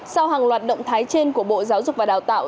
sau hàng loạt động thái trên của bộ giáo dục và đào tạo